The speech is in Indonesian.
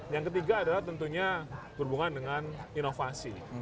yang ketiga adalah tentunya berhubungan dengan inovasi